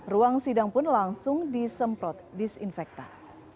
ruang sidang pun langsung disemprot disinfektan